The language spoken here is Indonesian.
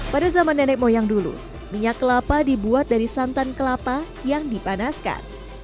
pada zaman nenek moyang dulu minyak kelapa dibuat dari santan kelapa yang dipanaskan